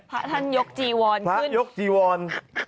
พระท่านยกจีวอนขึ้นยกจีวร